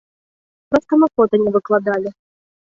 Проста мы фота не выкладалі.